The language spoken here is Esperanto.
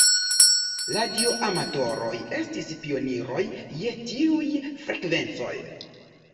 Radioamatoroj estis pioniroj je tiuj frekvencoj.